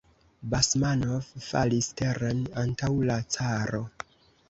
Basmanov falis teren antaŭ la caro.